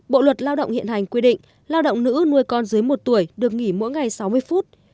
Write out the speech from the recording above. bộ luật lao động hiện hành quy định lao động nữ nuôi con dưới một tuổi được nghỉ mỗi ngày sáu mươi phút